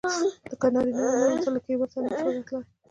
که نارینه وای نو ته دلته له کیبل سره نه شوای راتلای.